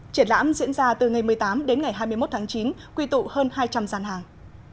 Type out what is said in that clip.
triển lãm diễn ra từ ngày một mươi tám đến ngày hai mươi một tháng chín quy tụ hơn hai trăm linh gian hàng